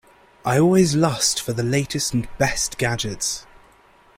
I always lust for the latest and best gadgets.